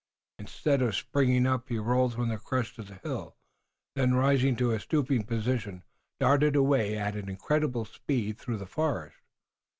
Instead of springing up, he rolled from the crest of the hill, then, rising to a stooping position, darted away at incredible speed through the forest.